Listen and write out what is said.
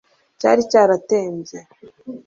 cyari cyaratembye